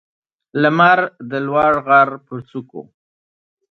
لمر د لوړ غر پر څوکو